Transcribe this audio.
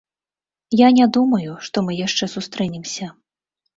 Я не думаю, што мы яшчэ сустрэнемся.